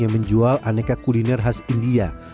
yang menjual aneka kuliner khas india